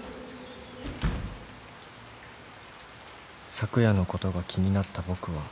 ［昨夜のことが気になった僕は］